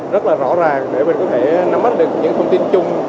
rất là rõ ràng để mình có thể nắm mắt được những thông tin chung